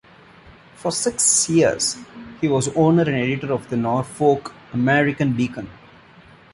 For six years he was owner and editor of the Norfolk "American Beacon".